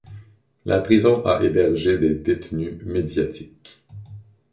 La prison a hébergé des détenus médiatiques.